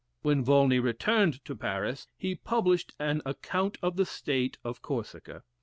When Volney returned to Paris, he published an "Account of the State of Corsica."